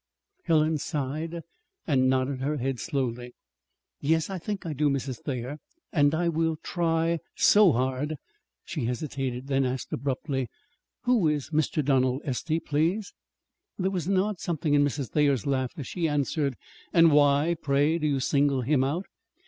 Helen sighed and nodded her head slowly. "Yes, I think I do, Mrs. Thayer; and I will try so hard!" She hesitated, then asked abruptly, "Who is Mr. Donald Estey, please?" There was an odd something in Mrs. Thayer's laugh as she answered. "And why, pray, do you single him out?"